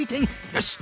よし！